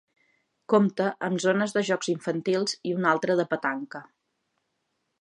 Compta amb zones de jocs infantils i una altra de petanca.